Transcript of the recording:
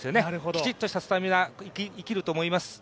きちっとしたスタミナ、生きると思います。